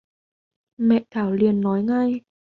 Mẹ Thảo liền Nói ngay